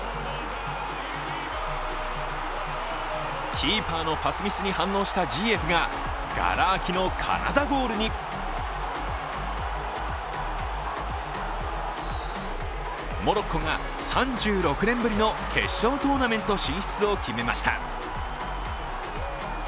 キーパーのパスミスに反応したジイェフががら空きのカナダゴールにモロッコが３６年ぶりの決勝トーナメント進出を決めました。